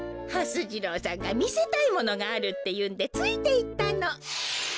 はす次郎さんがみせたいものがあるっていうんでついていったの。